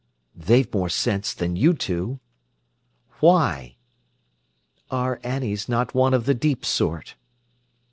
"They've more sense than you two." "Why?" "Our Annie's not one of the deep sort."